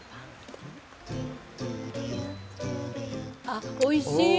あっおいしい！